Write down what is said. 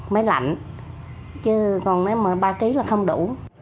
mấy lạnh chứ còn ba kg là không đủ